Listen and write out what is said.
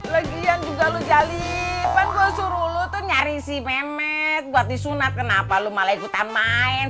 lagi yang juga lo jali kan gua suruh lo tuh nyari si mehmet buat disunat kenapa lu malah ikutan main